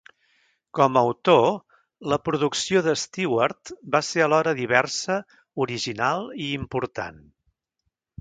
Com a autor, la producció d'Stewart va ser alhora diversa, original i important.